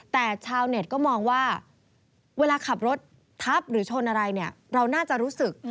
แต่ชาวเน็ตก็มองว่าเวลาขับรถทับหรือชนอะไรเนี่ยเราน่าจะรู้สึก